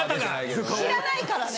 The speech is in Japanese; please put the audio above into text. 知らないからね。